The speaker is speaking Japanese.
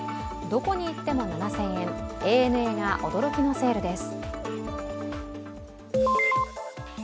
どこに行っても７０００円、ＡＮＡが驚きのセールです